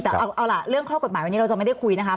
แต่เอาล่ะเรื่องข้อกฎหมายวันนี้เราจะไม่ได้คุยนะคะ